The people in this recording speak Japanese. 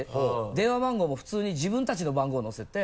電話番号も普通に自分たちの番号載せて。